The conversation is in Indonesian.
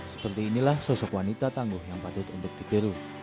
seperti inilah sosok wanita tangguh yang patut untuk ditiru